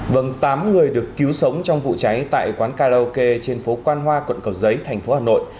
vâng tám người được cứu sống trong vụ cháy tại quán karaoke trên phố quan hoa quận cầu giấy thành phố hà nội